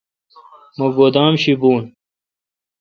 مہ گودام شی بھون۔